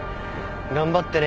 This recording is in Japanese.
頑張ってね